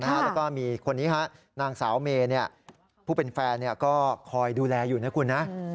แล้วก็มีคนนี้ฮะนางสาวเมย์ผู้เป็นแฟนก็คอยดูแลอยู่นะคุณนะ